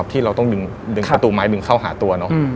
ที่เราต้องดึงประตูไม้ดึงเข้าหาตัวเนอะ